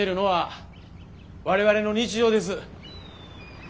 我々の生活です。